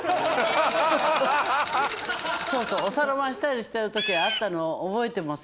そうそうお皿回したりしてる時あったの覚えてますよ。